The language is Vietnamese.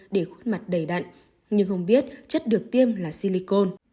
để hút mặt đầy đặn nhưng không biết chất được tiêm là silicon